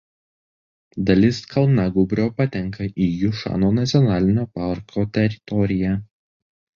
Dalis kalnagūbrio patenka į Jušano nacionalinio parko teritoriją.